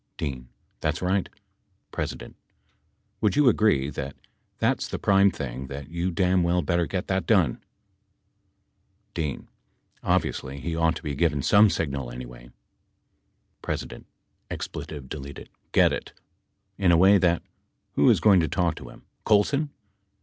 D. That's right. P. Would you agree that that's the prime thing that you damn well better get that done ? D. Obviously he ought to be given some signal anyway. P. (Expletive deleted ) get it. In a way that — who is going to talk to him ? Colson